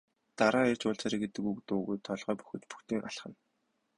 Дараа ирж уулзаарай гэвэл үг дуугүй толгой дохиж бөгтийн алхана.